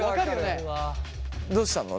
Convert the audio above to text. どうしたの？